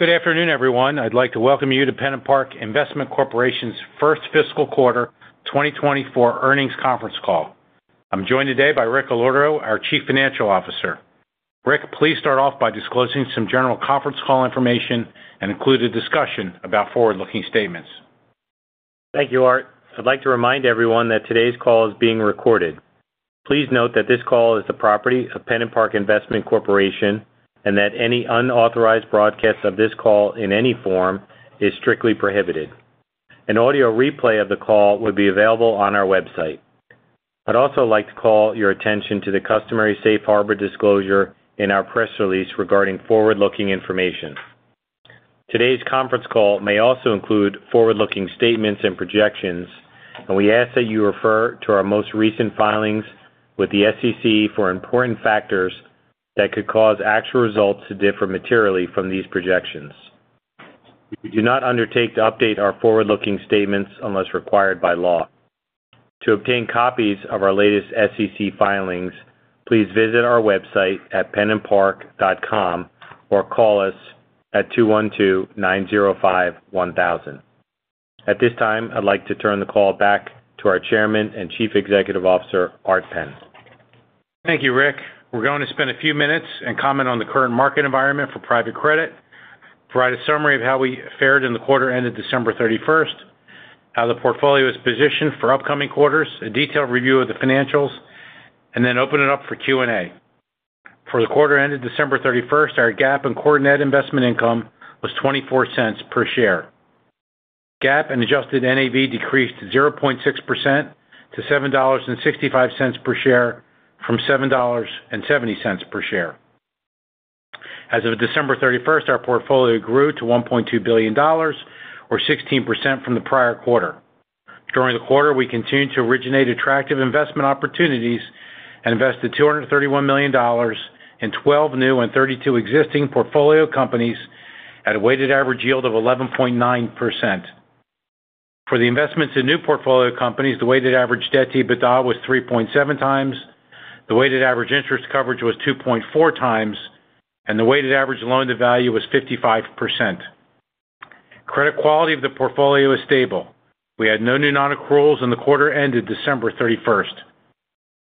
Good afternoon, everyone. I'd like to welcome you to PennantPark Investment Corporation's first fiscal quarter 2024 earnings conference call. I'm joined today by Rick Allorto, our Chief Financial Officer. Rick, please start off by disclosing some general conference call information and include a discussion about forward-looking statements. Thank you, Art. I'd like to remind everyone that today's call is being recorded. Please note that this call is the property of PennantPark Investment Corporation, and that any unauthorized broadcast of this call in any form is strictly prohibited. An audio replay of the call will be available on our website. I'd also like to call your attention to the customary safe harbor disclosure in our press release regarding forward-looking information. Today's conference call may also include forward-looking statements and projections, and we ask that you refer to our most recent filings with the SEC for important factors that could cause actual results to differ materially from these projections. We do not undertake to update our forward-looking statements unless required by law. To obtain copies of our latest SEC filings, please visit our website at pennantpark.com or call us at 212-905-1000. At this time, I'd like to turn the call back to our Chairman and Chief Executive Officer, Art Penn. Thank you, Rick. We're going to spend a few minutes and comment on the current market environment for private credit, provide a summary of how we fared in the quarter ended December 31st, how the portfolio is positioned for upcoming quarters, a detailed review of the financials, and then open it up for Q&A. For the quarter ended December 31st, our GAAP and core net investment income was $0.24 per share. GAAP and adjusted NAV decreased 0.6% to $7.65 per share, from $7.70 per share. As of December 31st, our portfolio grew to $1.2 billion, or 16% from the prior quarter. During the quarter, we continued to originate attractive investment opportunities and invested $231 million in 12 new and 32 existing portfolio companies at a weighted average yield of 11.9%. For the investments in new portfolio companies, the weighted average debt to EBITDA was 3.7x, the weighted average interest coverage was 2.4x, and the weighted average loan to value was 55%. Credit quality of the portfolio is stable. We had no new non-accruals in the quarter ended December 31st.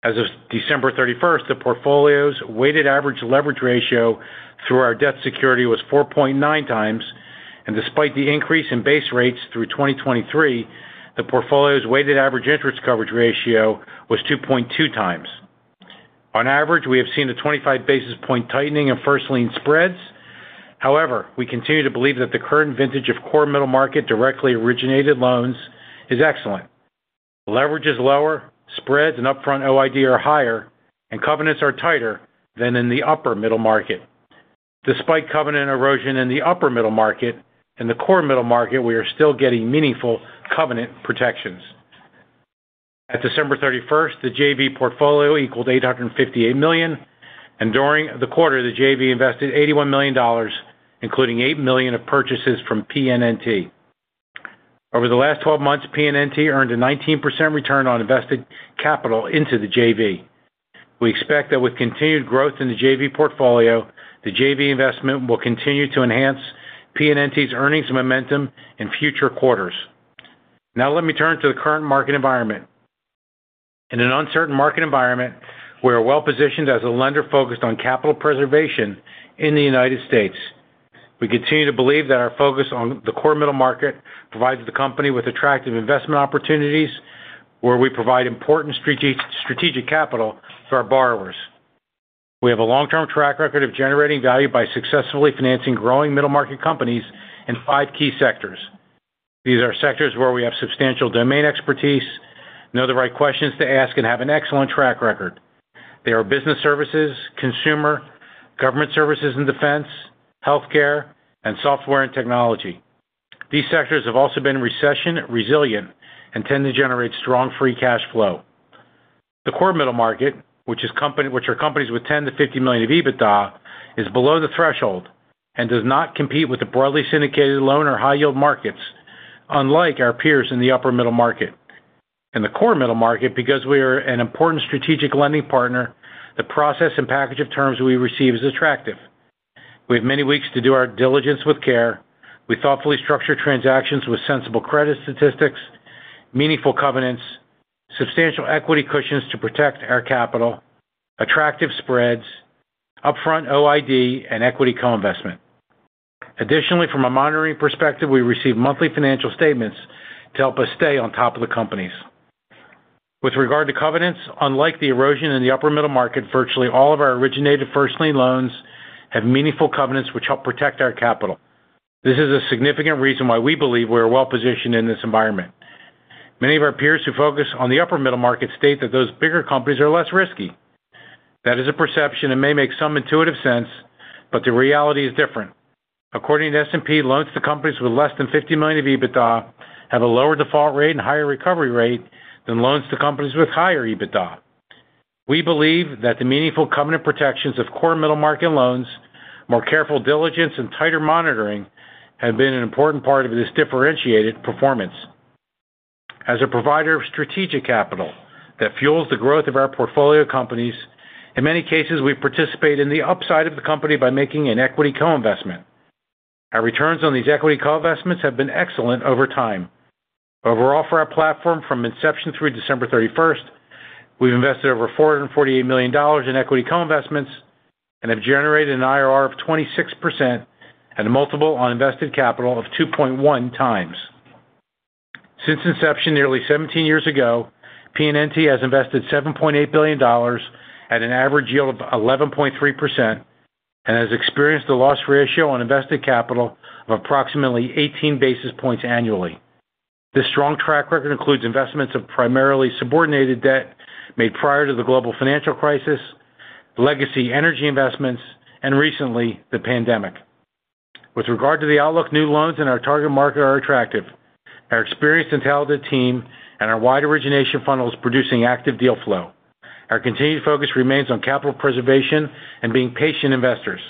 As of December 31st, the portfolio's weighted average leverage ratio through our debt security was 4.9x, and despite the increase in base rates through 2023, the portfolio's weighted average interest coverage ratio was 2.2x. On average, we have seen a 25 basis point tightening of first lien spreads. However, we continue to believe that the current vintage of core middle market directly originated loans is excellent. Leverage is lower, spreads and upfront OID are higher, and covenants are tighter than in the upper middle market. Despite covenant erosion in the upper middle market, in the core middle market, we are still getting meaningful covenant protections. At December 31st, the JV portfolio equaled $858 million, and during the quarter, the JV invested $81 million, including $8 million of purchases from PNNT. Over the last 12 months, PNNT earned a 19% return on invested capital into the JV. We expect that with continued growth in the JV portfolio, the JV investment will continue to enhance PNNT's earnings and momentum in future quarters. Now let me turn to the current market environment. In an uncertain market environment, we are well-positioned as a lender focused on capital preservation in the United States. We continue to believe that our focus on the core middle market provides the company with attractive investment opportunities, where we provide important strategic, strategic capital to our borrowers. We have a long-term track record of generating value by successfully financing growing middle-market companies in five key sectors. These are sectors where we have substantial domain expertise, know the right questions to ask, and have an excellent track record. They are business services, consumer, government services and defense, healthcare, and software and technology. These sectors have also been recession resilient and tend to generate strong free cash flow. The core middle market, which are companies with 10 million-50 million of EBITDA, is below the threshold and does not compete with the broadly syndicated loan or high yield markets, unlike our peers in the upper middle market. In the core middle market, because we are an important strategic lending partner, the process and package of terms we receive is attractive. We have many weeks to do our diligence with care. We thoughtfully structure transactions with sensible credit statistics, meaningful covenants, substantial equity cushions to protect our capital, attractive spreads, upfront OID, and equity co-investment. Additionally, from a monitoring perspective, we receive monthly financial statements to help us stay on top of the companies. With regard to covenants, unlike the erosion in the upper middle market, virtually all of our originated first lien loans have meaningful covenants, which help protect our capital. This is a significant reason why we believe we are well-positioned in this environment. Many of our peers who focus on the upper middle market state that those bigger companies are less risky. That is a perception and may make some intuitive sense, but the reality is different. According to S&P, loans to companies with less than 50 million of EBITDA have a lower default rate and higher recovery rate than loans to companies with higher EBITDA. We believe that the meaningful covenant protections of core middle-market loans, more careful diligence, and tighter monitoring have been an important part of this differentiated performance.... as a provider of strategic capital that fuels the growth of our portfolio companies. In many cases, we participate in the upside of the company by making an equity co-investment. Our returns on these equity co-investments have been excellent over time. Overall, for our platform, from inception through December 31st, we've invested over $448 million in equity co-investments and have generated an IRR of 26% and a multiple on invested capital of 2.1x. Since inception, nearly 17 years ago, PNNT has invested $7.8 billion at an average yield of 11.3% and has experienced a loss ratio on invested capital of approximately 18 basis points annually. This strong track record includes investments of primarily subordinated debt made prior to the global financial crisis, legacy energy investments, and recently, the pandemic. With regard to the outlook, new loans in our target market are attractive. Our experienced and talented team and our wide origination funnel is producing active deal flow. Our continued focus remains on capital preservation and being patient investors.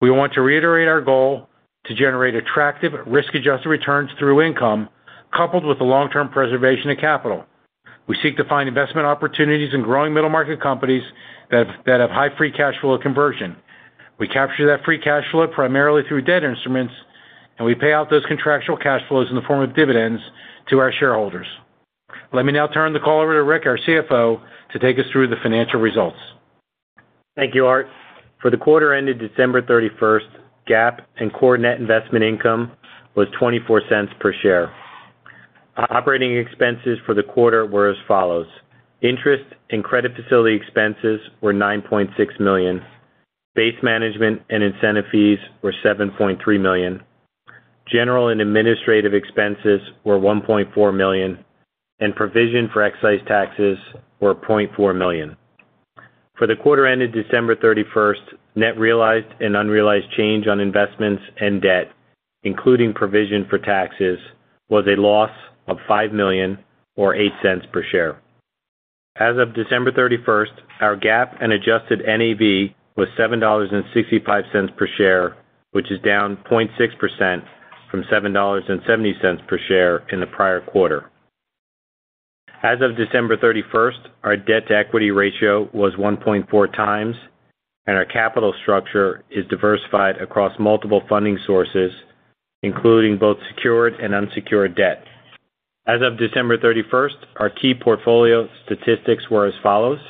We want to reiterate our goal to generate attractive risk-adjusted returns through income, coupled with the long-term preservation of capital. We seek to find investment opportunities in growing middle-market companies that have high free cash flow conversion. We capture that free cash flow primarily through debt instruments, and we pay out those contractual cash flows in the form of dividends to our shareholders. Let me now turn the call over to Rick, our CFO, to take us through the financial results. Thank you, Art. For the quarter ended December 31st, GAAP and core net investment income was $0.24 per share. Operating expenses for the quarter were as follows: interest and credit facility expenses were $9.6 million, base management and incentive fees were $7.3 million, general and administrative expenses were $1.4 million, and provision for excise taxes were $0.4 million. For the quarter ended December 31st, net realized and unrealized change on investments and debt, including provision for taxes, was a loss of $5 million or $0.08 per share. As of December 31st, our GAAP and adjusted NAV was $7.65 per share, which is down 0.6% from $7.70 per share in the prior quarter. As of December 31st, our debt-to-equity ratio was 1.4x, and our capital structure is diversified across multiple funding sources, including both secured and unsecured debt. As of December 31st, our key portfolio statistics were as follows: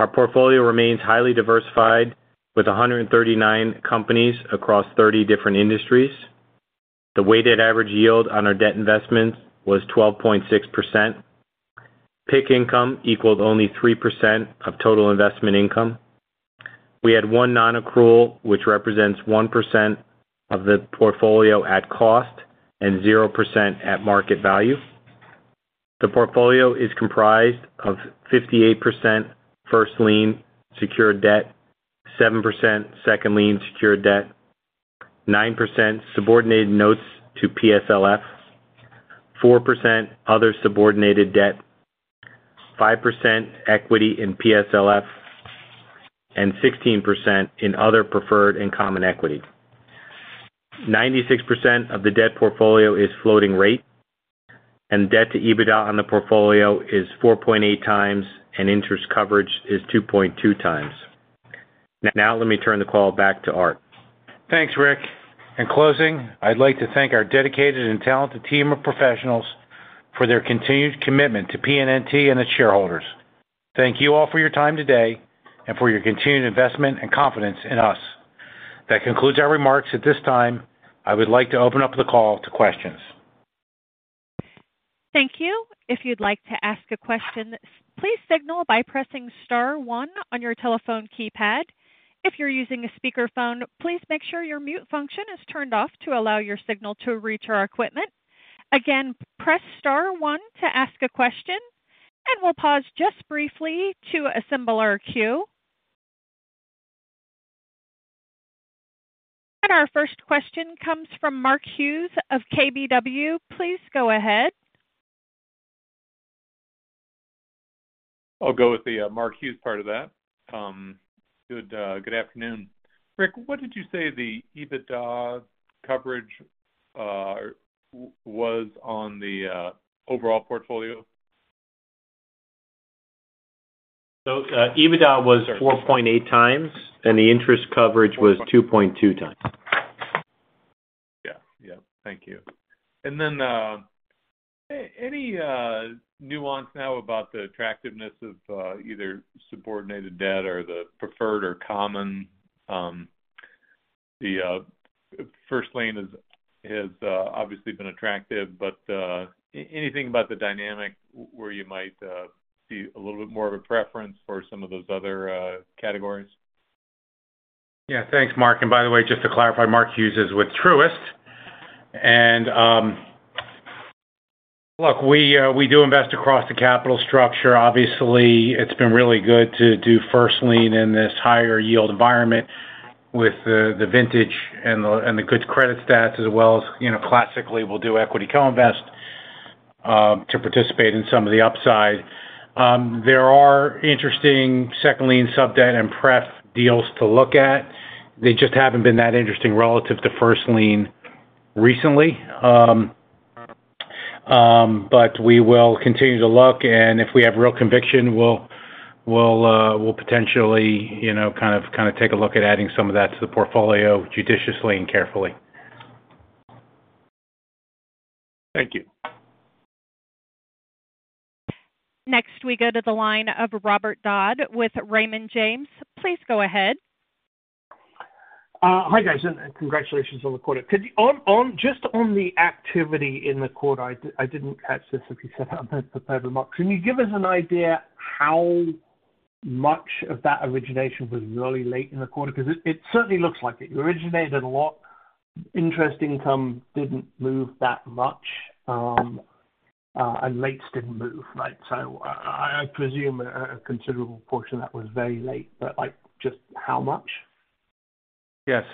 our portfolio remains highly diversified, with 139 companies across 30 different industries. The weighted average yield on our debt investments was 12.6%. PIK income equaled only 3% of total investment income. We had one non-accrual, which represents 1% of the portfolio at cost and 0% at market value. The portfolio is comprised of 58% first lien secured debt, 7% second lien secured debt, 9% subordinated notes to PSLF, 4% other subordinated debt, 5% equity in PSLF, and 16% in other preferred and common equity. 96% of the debt portfolio is floating rate, and debt to EBITDA on the portfolio is 4.8x, and interest coverage is 2.2x. Now, let me turn the call back to Art. Thanks, Rick. In closing, I'd like to thank our dedicated and talented team of professionals for their continued commitment to PNNT and its shareholders. Thank you all for your time today and for your continued investment and confidence in us. That concludes our remarks. At this time, I would like to open up the call to questions. Thank you. If you'd like to ask a question, please signal by pressing star one on your telephone keypad. If you're using a speakerphone, please make sure your mute function is turned off to allow your signal to reach our equipment. Again, press star one to ask a question, and we'll pause just briefly to assemble our queue. Our first question comes from Mark Hughes of KBW. Please go ahead. I'll go with the Mark Hughes part of that. Good afternoon. Rick, what did you say the EBITDA coverage was on the overall portfolio? EBITDA was 4.8x, and the interest coverage was 2.2x. Yeah, yeah. Thank you. And then, any nuance now about the attractiveness of either subordinated debt or the preferred or common? The first lien has obviously been attractive, but anything about the dynamic where you might see a little bit more of a preference for some of those other categories? Yeah, thanks, Mark. And by the way, just to clarify, Mark Hughes is with Truist. And, look, we do invest across the capital structure. Obviously, it's been really good to do first lien in this higher yield environment with the vintage and the good credit stats as well. You know, classically, we'll do equity co-invest to participate in some of the upside. There are interesting second lien, sub debt, and pref deals to look at. They just haven't been that interesting relative to first lien recently. But we will continue to look, and if we have real conviction, we'll potentially, you know, kind of, kind of take a look at adding some of that to the portfolio judiciously and carefully. Thank you. Next, we go to the line of Robert Dodd with Raymond James. Please go ahead. Hi, guys, and congratulations on the quarter. Could you, just on the activity in the quarter, I didn't catch this, if you said it on the prepared remarks. Can you give us an idea how much of that origination was really late in the quarter? 'Cause it certainly looks like it. You originated a lot, interest income didn't move that much, and rates didn't move, right? So I presume a considerable portion of that was very late, but like, just how much? Yes.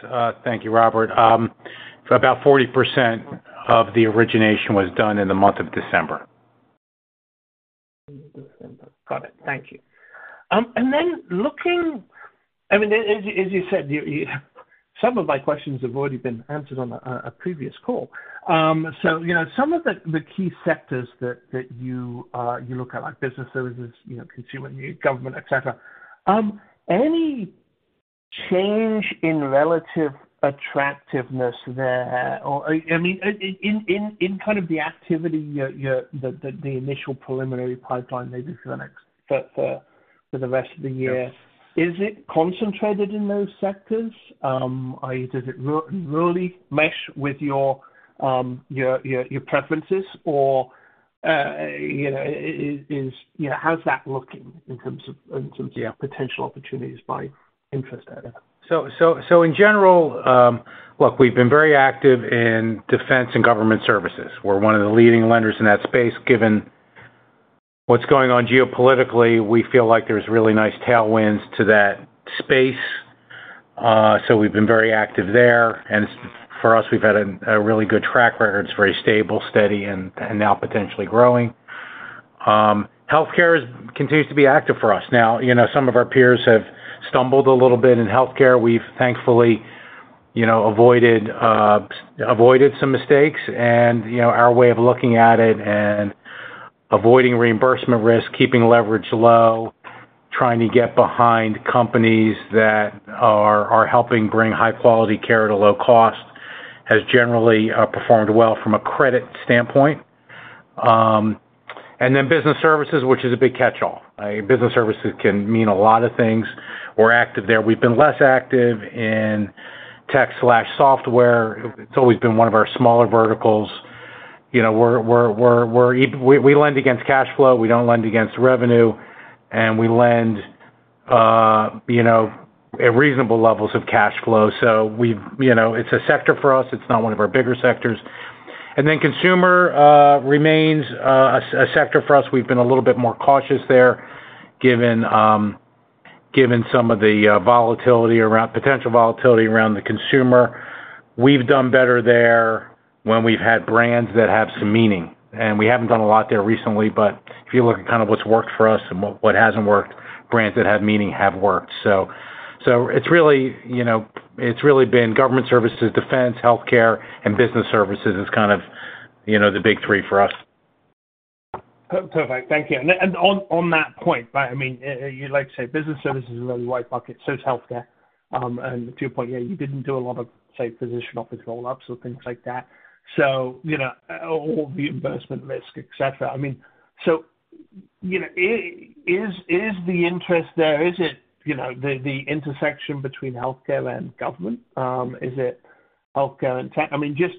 Thank you, Robert. About 40% of the origination was done in the month of December. Got it. Thank you. And then looking, I mean, as you said, some of my questions have already been answered on a previous call. So, you know, some of the key sectors that you look at, like business services, you know, consumer, government, et cetera, any change in relative attractiveness there? Or, I mean, in kind of the activity, the initial preliminary pipeline maybe for the rest of the year- Yes. Is it concentrated in those sectors? Or does it really mesh with your preferences or, you know, is, you know, how's that looking in terms of, in terms of your potential opportunities by interest area? So in general, look, we've been very active in defense and government services. We're one of the leading lenders in that space. Given what's going on geopolitically, we feel like there's really nice tailwinds to that space. So we've been very active there, and for us, we've had a really good track record. It's very stable, steady, and now potentially growing. Healthcare continues to be active for us. Now, you know, some of our peers have stumbled a little bit in healthcare. We've thankfully, you know, avoided some mistakes and, you know, our way of looking at it and avoiding reimbursement risk, keeping leverage low, trying to get behind companies that are helping bring high-quality care at a low cost, has generally performed well from a credit standpoint. And then business services, which is a big catch-all. Business services can mean a lot of things. We're active there. We've been less active in tech slash software. It's always been one of our smaller verticals. You know, we lend against cash flow. We don't lend against revenue, and we lend, you know, at reasonable levels of cash flow. So we've you know, it's a sector for us. It's not one of our bigger sectors. And then consumer remains a sector for us. We've been a little bit more cautious there, given some of the volatility around potential volatility around the consumer. We've done better there when we've had brands that have some meaning, and we haven't done a lot there recently. But if you look at kind of what's worked for us and what hasn't worked, brands that have meaning have worked. So, so it's really, you know, it's really been government services, defense, healthcare, and business services as kind of, you know, the big three for us. Perfect. Thank you. And on that point, right, I mean, you like to say business services is a really wide bucket, so is healthcare. And to your point, yeah, you didn't do a lot of, say, physician office roll-ups or things like that. So, you know, all the investment risk, et cetera. I mean, so, you know, is the interest there, is it, you know, the intersection between healthcare and government? Is it healthcare and tech? I mean, just,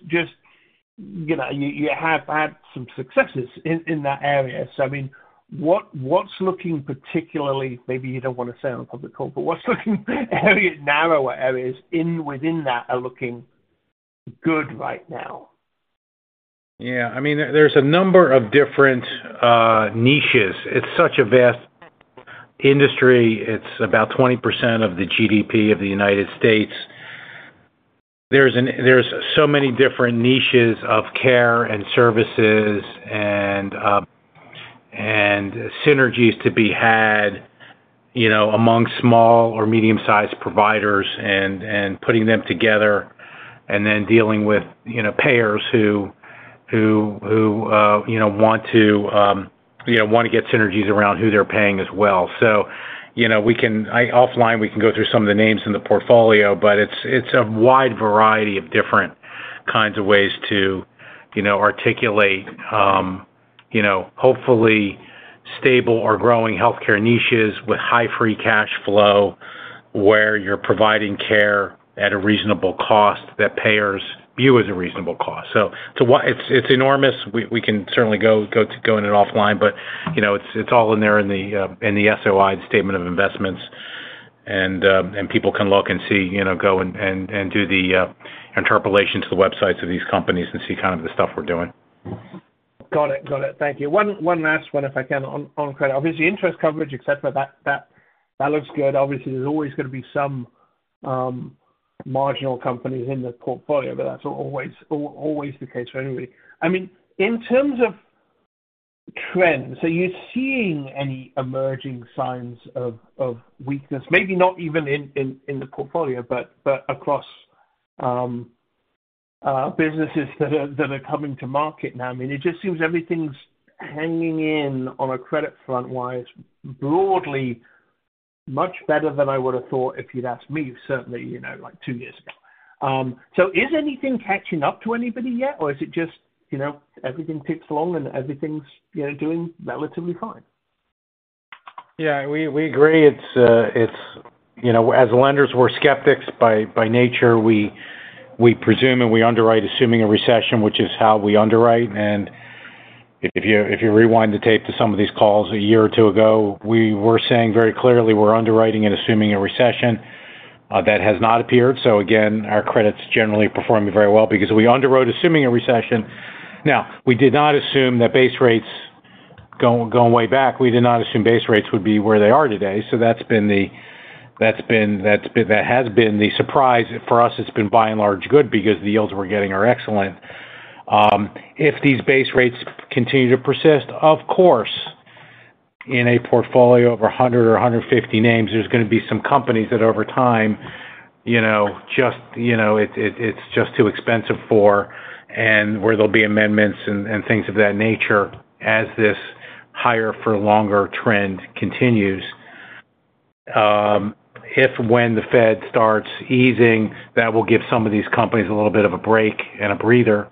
you know, you have had some successes in that area. So I mean, what, what's looking particularly... Maybe you don't want to say on a public call, but what's looking areas, narrower areas within that are looking good right now? Yeah. I mean, there's a number of different niches. It's such a vast industry. It's about 20% of the GDP of the United States. There's so many different niches of care and services and synergies to be had, you know, among small or medium-sized providers and putting them together and then dealing with, you know, payers who you know want to get synergies around who they're paying as well. So, you know, we can offline go through some of the names in the portfolio, but it's a wide variety of different kinds of ways to, you know, articulate you know hopefully stable or growing healthcare niches with high free cash flow, where you're providing care at a reasonable cost that payers view as a reasonable cost. So to what—it's enormous. We can certainly go in it offline, but you know, it's all in there in the SOI, the Statement of Investments. And people can look and see, you know, go and do the interpolation to the websites of these companies and see kind of the stuff we're doing. Got it. Got it. Thank you. One last one, if I can, on credit. Obviously, interest coverage, et cetera, that. That looks good. Obviously, there's always going to be some marginal companies in the portfolio, but that's always the case for anybody. I mean, in terms of trends, are you seeing any emerging signs of weakness? Maybe not even in the portfolio, but across businesses that are coming to market now? I mean, it just seems everything's hanging in on a credit front-wise, broadly, much better than I would have thought if you'd asked me, certainly, you know, like, two years ago. So is anything catching up to anybody yet? Or is it just, you know, everything ticks along and everything's, you know, doing relatively fine? Yeah, we agree. It's -- you know, as lenders, we're skeptics by nature. We presume, and we underwrite, assuming a recession, which is how we underwrite. And if you rewind the tape to some of these calls a year or two ago, we were saying very clearly, we're underwriting and assuming a recession. That has not appeared. So again, our credit's generally performing very well because we underwrote assuming a recession. Now, we did not assume that base rates going way back. We did not assume base rates would be where they are today. So that's been the surprise. For us, it's been by and large good, because the yields we're getting are excellent. If these base rates continue to persist, of course, in a portfolio of 100 or 150 names, there's going to be some companies that over time, you know, just, you know, it's just too expensive for, and where there'll be amendments and things of that nature as this higher-for-longer trend continues. If, when the Fed starts easing, that will give some of these companies a little bit of a break and a breather.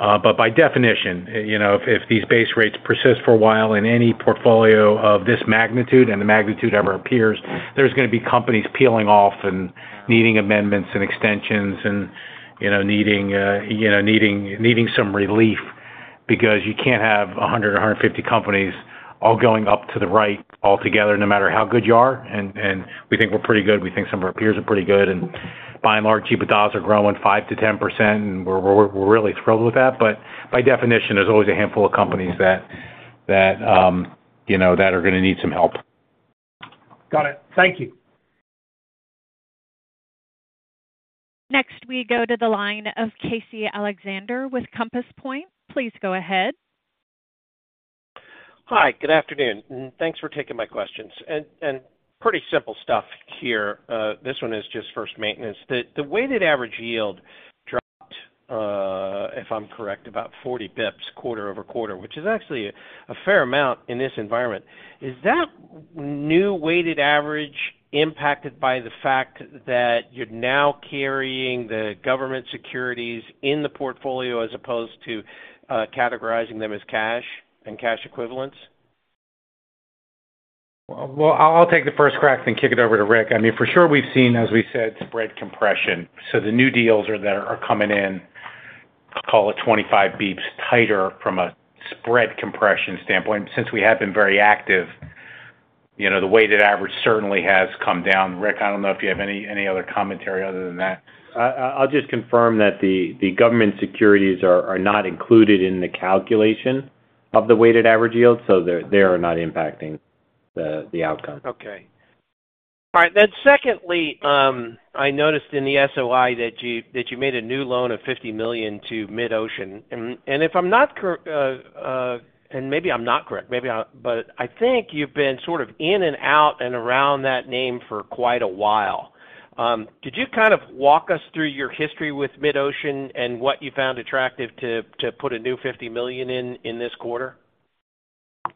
But by definition, you know, if these base rates persist for a while in any portfolio of this magnitude, and the magnitude ever appears, there's going to be companies peeling off and needing amendments and extensions and, you know, needing some relief because you can't have 100 or 150 companies all going up to the right altogether, no matter how good you are. And we think we're pretty good. We think some of our peers are pretty good, and by and large, EBITDAs are growing 5%-10%, and we're really thrilled with that. But by definition, there's always a handful of companies that, you know, that are going to need some help. Got it. Thank you. Next, we go to the line of Casey Alexander with Compass Point. Please go ahead. Hi, good afternoon, and thanks for taking my questions. And, pretty simple stuff here. This one is just first maintenance. The weighted average yield dropped, if I'm correct, about 40 bps quarter-over-quarter, which is actually a fair amount in this environment. Is that new weighted average impacted by the fact that you're now carrying the government securities in the portfolio as opposed to categorizing them as cash and cash equivalents? Well, I'll take the first crack, then kick it over to Rick. I mean, for sure, we've seen, as we said, spread compression. So the new deals are that are coming in, call it 25 basis points tighter from a spread compression standpoint. Since we have been very active, you know, the weighted average certainly has come down. Rick, I don't know if you have any other commentary other than that. I'll just confirm that the government securities are not included in the calculation of the weighted average yield, so they're not impacting the outcome. Okay. All right, then secondly, I noticed in the SOI that you made a new loan of $50 million to MidOcean. And if I'm not correct, maybe I... But I think you've been sort of in and out and around that name for quite a while. Could you kind of walk us through your history with MidOcean and what you found attractive to put a new $50 million in this quarter?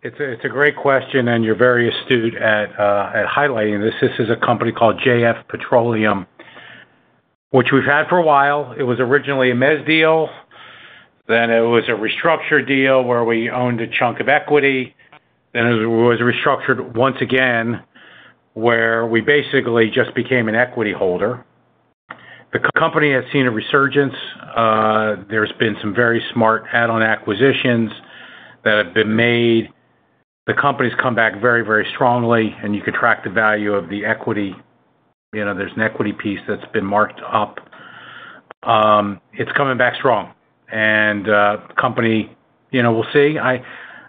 It's a great question, and you're very astute at highlighting this. This is a company called JF Petroleum, which we've had for a while. It was originally a mez deal, then it was a restructured deal where we owned a chunk of equity, then it was restructured once again, where we basically just became an equity holder. The company has seen a resurgence. There's been some very smart add-on acquisitions that have been made. The company's come back very, very strongly, and you could track the value of the equity. You know, there's an equity piece that's been marked up. It's coming back strong. And the company, you know, we'll see. I,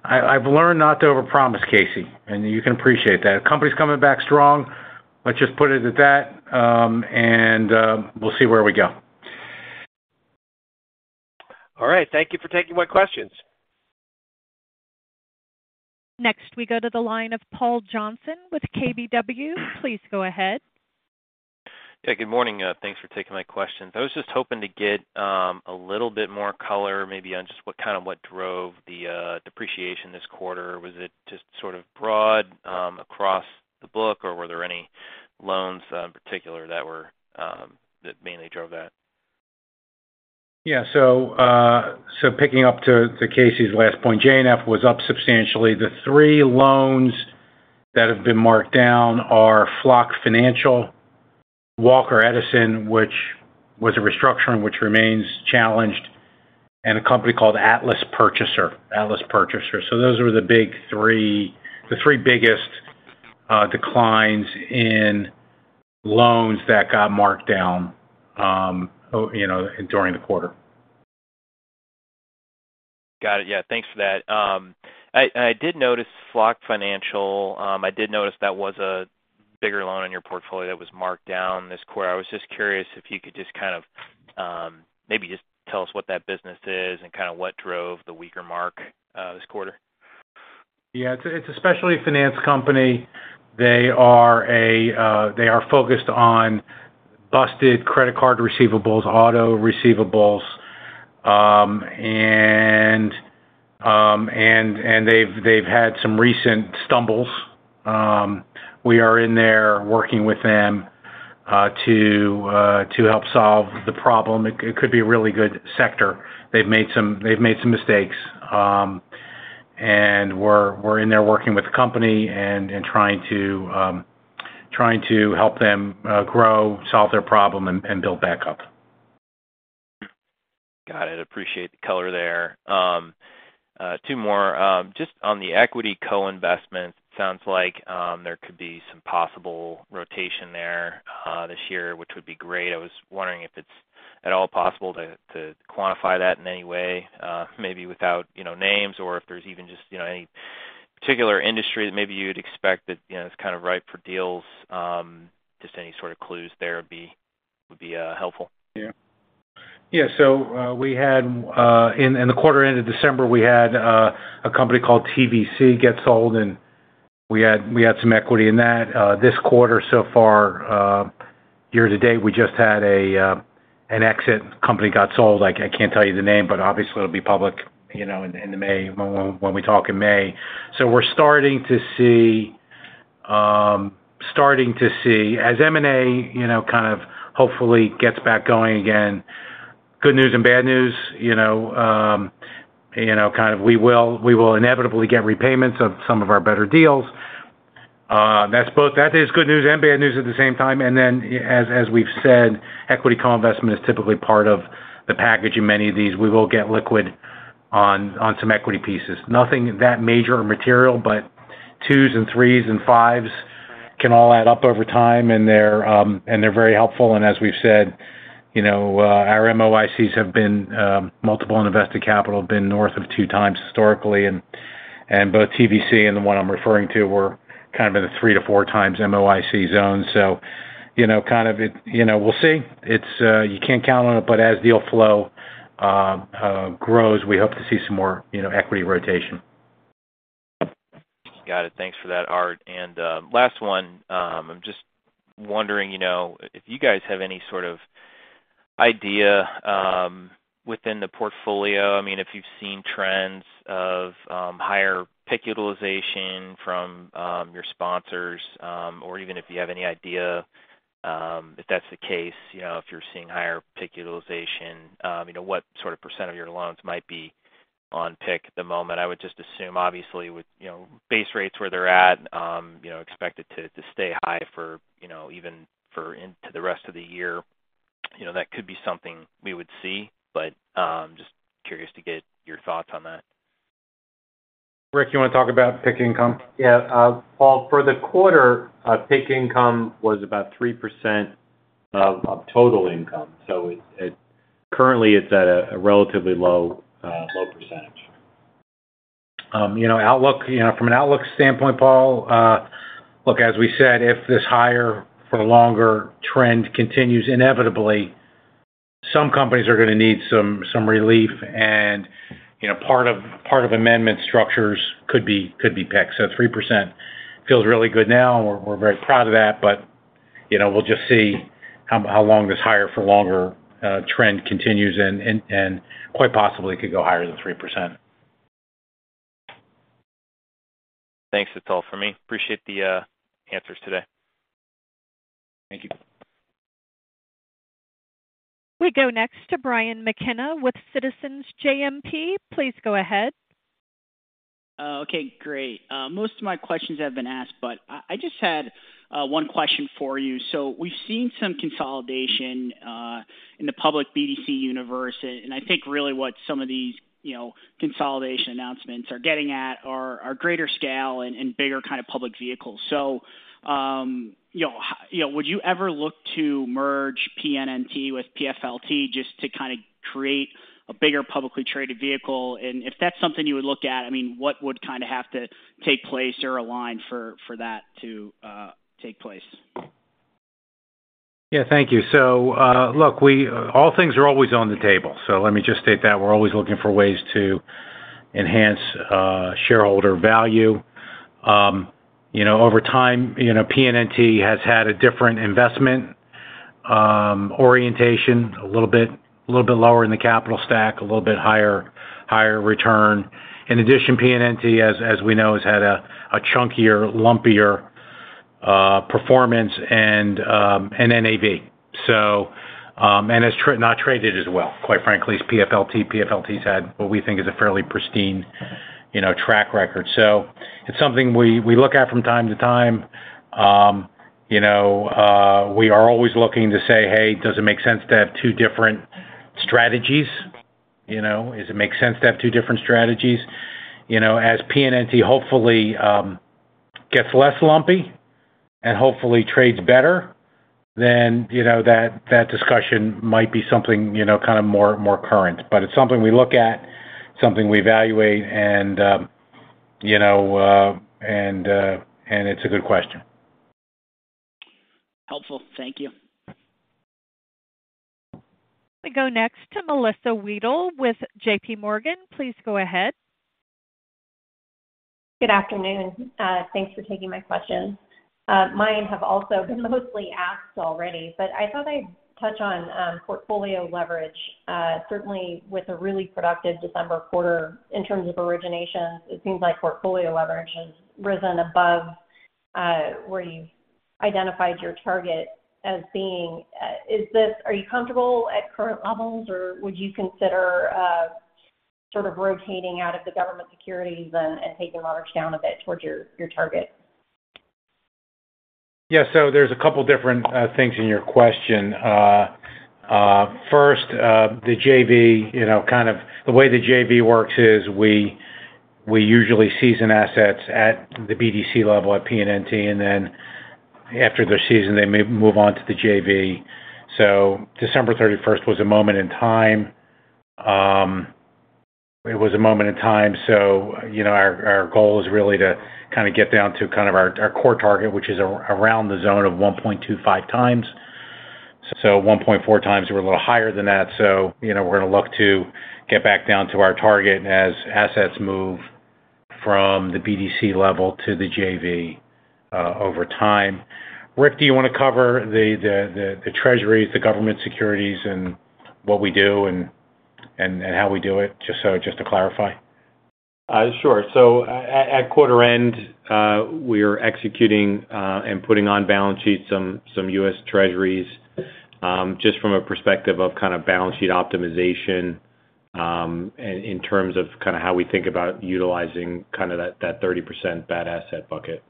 I've learned not to over-promise, Casey, and you can appreciate that. The company's coming back strong. Let's just put it at that, and we'll see where we go. All right. Thank you for taking my questions. Next, we go to the line of Paul Johnson with KBW. Please go ahead. Yeah, good morning. Thanks for taking my question. I was just hoping to get a little bit more color, maybe on just what kind of what drove the depreciation this quarter. Was it just sort of broad across the book, or were there any loans in particular that were that mainly drove that? Yeah. So, picking up to Casey's last point, JNF was up substantially. The three loans that have been marked down are Flock Financial, Walker Edison, which was a restructuring, which remains challenged, and a company called Atlas Purchaser. So those are the big three, the three biggest declines in loans that got marked down, you know, during the quarter. Got it. Yeah, thanks for that. And I did notice Flock Financial. I did notice that was a bigger loan in your portfolio that was marked down this quarter. I was just curious if you could just kind of maybe just tell us what that business is and kind of what drove the weaker mark this quarter. Yeah, it's especially a finance company. They are focused on busted credit card receivables, auto receivables. And they've had some recent stumbles. We are in there working with them to help solve the problem. It could be a really good sector. They've made some mistakes, and we're in there working with the company and trying to help them grow, solve their problem, and build back up. Got it. Appreciate the color there. Two more. Just on the equity co-investment, sounds like there could be some possible rotation there this year, which would be great. I was wondering if it's at all possible to quantify that in any way, maybe without, you know, names or if there's even just, you know, any particular industry that maybe you'd expect that, you know, is kind of ripe for deals. Just any sort of clues there would be, would be helpful. Yeah. Yeah, so we had... In the quarter end of December, we had a company called TVC get sold, and we had some equity in that. This quarter, so far, year to date, we just had an exit, a company got sold. I can't tell you the name, but obviously, it'll be public, you know, in May, when we talk in May. So we're starting to see as M&A, you know, kind of hopefully gets back going again, good news and bad news, you know, kind of we will inevitably get repayments of some of our better deals. That is good news and bad news at the same time. And then, as we've said, equity co-investment is typically part of the package. In many of these, we will get liquid on some equity pieces. Nothing that major or material, but 2s and 3s and 5s can all add up over time, and they're very helpful. And as we've said, you know, our MOICs have been multiple and invested capital have been north of 2x historically, and both TVC and the one I'm referring to were kind of in a 3x-4x MOIC zone. So, you know, kind of, we'll see. It's you can't count on it, but as deal flow grows, we hope to see some more, you know, equity rotation. Got it. Thanks for that, Art. And, last one. I'm just wondering, you know, if you guys have any sort of idea, within the portfolio, I mean, if you've seen trends of, higher PIK utilization from, your sponsors, or even if you have any idea, if that's the case, you know, if you're seeing higher PIK utilization, you know, what sort of percent of your loans might be on PIK at the moment? I would just assume, obviously, with, you know, base rates where they're at, you know, expected to stay high for, you know, even for into the rest of the year. You know, that could be something we would see, but, just curious to get your thoughts on that. Rick, you want to talk about PIK income? Yeah, Paul, for the quarter, PIK income was about 3% of total income. So it's currently at a relatively low percentage. You know, outlook, you know, from an outlook standpoint, Paul, look, as we said, if this higher for longer trend continues, inevitably some companies are going to need some, some relief, and, you know, part of, part of amendment structures could be, could be PIK. So 3% feels really good now, and we're, we're very proud of that. But, you know, we'll just see how, how long this higher for longer trend continues and, and, and quite possibly could go higher than 3%. Thanks. That's all for me. Appreciate the answers today. Thank you. We go next to Brian McKenna with Citizens JMP. Please go ahead. Okay, great. Most of my questions have been asked, but I just had one question for you. So we've seen some consolidation in the public BDC universe, and I think really what some of these, you know, consolidation announcements are getting at are greater scale and bigger kind of public vehicles. So, you know, how, you know, would you ever look to merge PNNT with PFLT just to kind of create a bigger publicly traded vehicle? And if that's something you would look at, I mean, what would kind of have to take place or align for that to take place? Yeah, thank you. So, look, we all things are always on the table. So let me just state that we're always looking for ways to enhance shareholder value. You know, over time, you know, PNNT has had a different investment orientation, a little bit, little bit lower in the capital stack, a little bit higher, higher return. In addition, PNNT, as we know, has had a chunkier, lumpier performance and NAV. So, and it's not traded as well, quite frankly, as PFLT. PFLT has had what we think is a fairly pristine, you know, track record. So it's something we look at from time to time. You know, we are always looking to say, "Hey, does it make sense to have two different strategies? You know, does it make sense to have two different strategies?" You know, as PNNT hopefully gets less lumpy and hopefully trades better, then, you know, that discussion might be something, you know, kind of more current. But it's something we look at, something we evaluate, and, you know, it's a good question. Helpful. Thank you. We go next to Melissa Wedel with JPMorgan. Please go ahead. Good afternoon. Thanks for taking my questions. Mine have also been mostly asked already, but I thought I'd touch on, portfolio leverage. Certainly with a really productive December quarter in terms of origination, it seems like portfolio leverage has risen above, where you've identified your target as being. Is this-- are you comfortable at current levels, or would you consider, sort of rotating out of the government securities and taking leverage down a bit towards your target? Yeah. So there's a couple different things in your question. First, the JV, you know, kind of the way the JV works is we usually season assets at the BDC level at PNNT, and then after they're seasoned, they may move on to the JV. So December thirty-first was a moment in time. It was a moment in time, so you know, our goal is really to kind of get down to kind of our core target, which is around the zone of 1.25x. So 1.4x, we're a little higher than that. So, you know, we're gonna look to get back down to our target as assets move from the BDC level to the JV over time. Rick, do you want to cover the Treasuries, the government securities, and what we do and how we do it, just to clarify? Sure. So at quarter end, we are executing and putting on balance sheets some U.S. Treasuries, just from a perspective of kind of balance sheet optimization, and in terms of kind of how we think about utilizing kind of that 30% bad asset bucket.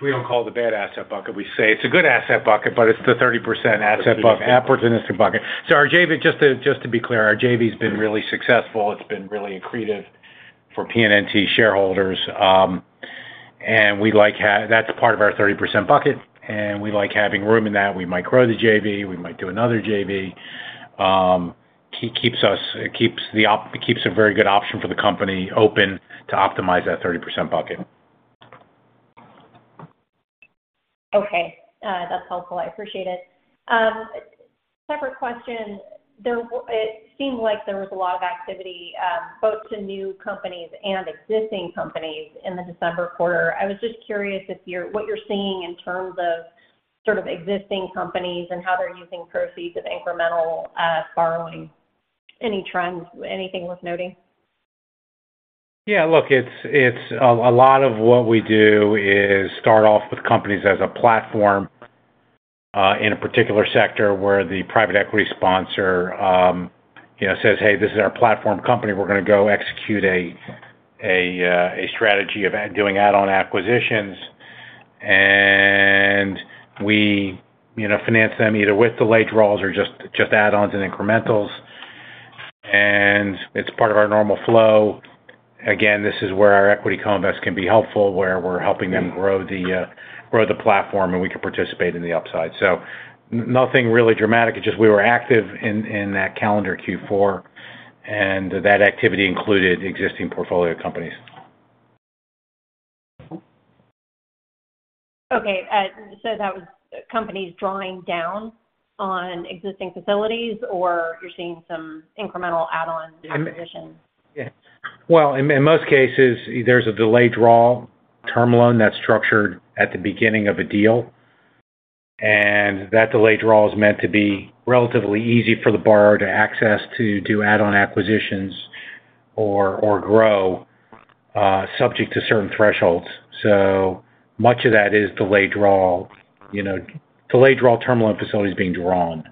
We don't call it the bad asset bucket. We say it's a good asset bucket, but it's the 30% asset bucket, opportunistic bucket. So our JV, just to be clear, our JV's been really successful. It's been really accretive for PNNT shareholders. And we like. That's part of our 30% bucket, and we like having room in that. We might grow the JV. We might do another JV. It keeps us, it keeps a very good option for the company open to optimize that 30% bucket. Okay, that's helpful. I appreciate it. Separate question. It seemed like there was a lot of activity, both to new companies and existing companies in the December quarter. I was just curious if you're... what you're seeing in terms of sort of existing companies and how they're using proceeds of incremental, borrowing. Any trends, anything worth noting? Yeah, look, it's a lot of what we do is start off with companies as a platform in a particular sector where the private equity sponsor, you know, says, "Hey, this is our platform company. We're going to go execute a strategy of doing add-on acquisitions." And we, you know, finance them either with delayed draws or just add-ons and incrementals, and it's part of our normal flow. Again, this is where our equity co-invest can be helpful, where we're helping them grow the platform, and we can participate in the upside. So nothing really dramatic. It's just we were active in that calendar Q4, and that activity included existing portfolio companies. Okay, so that was companies drawing down on existing facilities, or you're seeing some incremental add-on acquisitions? Yeah. Well, in most cases, there's a delayed draw term loan that's structured at the beginning of a deal, and that delayed draw is meant to be relatively easy for the borrower to access to do add-on acquisitions or grow, subject to certain thresholds. So much of that is delayed draw, you know, delayed draw term loan facilities being drawn.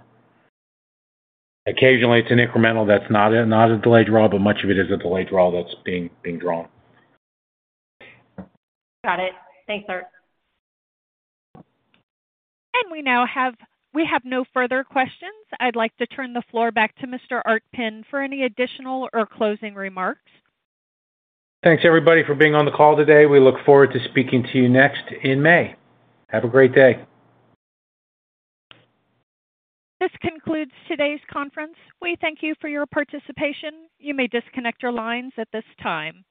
Occasionally, it's an incremental that's not a delayed draw, but much of it is a delayed draw that's being drawn. Got it. Thanks, Art. We now have no further questions. I'd like to turn the floor back to Mr. Art Penn for any additional or closing remarks. Thanks, everybody, for being on the call today. We look forward to speaking to you next in May. Have a great day. This concludes today's conference. We thank you for your participation. You may disconnect your lines at this time.